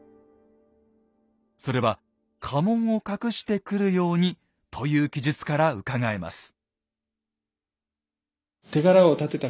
それは家紋を隠して来るようにという記述からうかがえます。